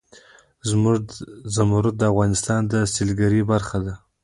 زمرد د افغانستان د سیلګرۍ برخه ده.